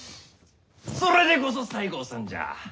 それでこそ西郷さんじゃ。